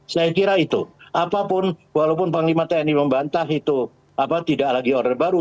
saya kira itu apapun walaupun panglima tni membantah itu tidak lagi order baru